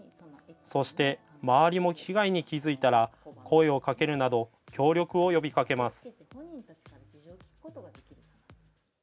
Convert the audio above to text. そして周りも被害に気付いたら声をかけるなど協力を呼びかけます。